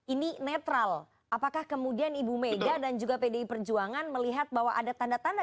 ini netral apakah kemudian ibu mega dan juga pdi perjuangan melihat bahwa ada tanda tanda